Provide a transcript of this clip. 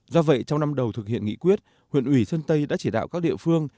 do vậy trong năm đầu thực hiện nghị quyết huyện ủy sơn tây đã chỉ đạo các địa phương